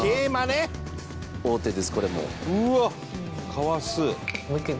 かわす。